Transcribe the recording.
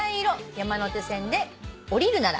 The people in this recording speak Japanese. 「山手線で降りるなら」